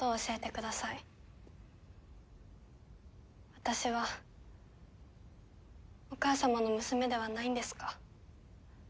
私はお母様の娘ではないんですか？